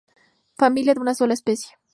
Familia de una sola especie.